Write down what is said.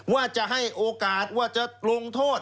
ว่าจะให้โอกาสว่าจะลงโทษ